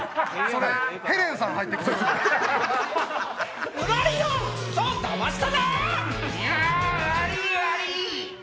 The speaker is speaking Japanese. それヘレンさん入って来てます。